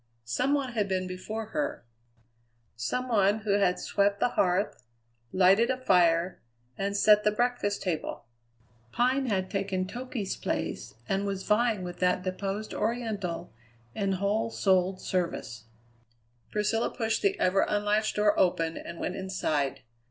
Some one had been before her. Some one who had swept the hearth, lighted a fire, and set the breakfast table. Pine had taken Toky's place and was vying with that deposed oriental in whole souled service. Priscilla pushed the ever unlatched door open and went inside.